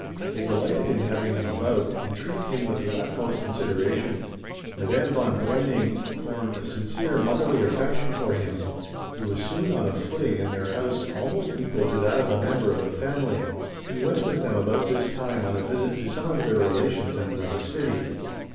They delighted in having him about, and treated him with the utmost consideration. Madame von Breuning formed a sincere, motherly affection for him; he was soon on a footing in their house almost equal to that of a member of the family. He went with them about this time on a visit to some of their relations in another city.